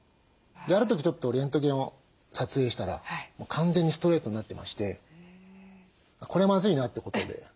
ある時ちょっとレントゲンを撮影したら完全にストレートになってましてこれはまずいなってことで。